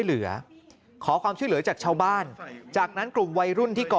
เหลือขอความช่วยเหลือจากชาวบ้านจากนั้นกลุ่มวัยรุ่นที่ก่อ